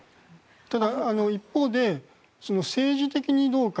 ただ、一方で政治的にどうか。